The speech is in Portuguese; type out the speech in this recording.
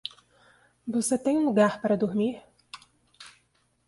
Você tem um lugar para dormir?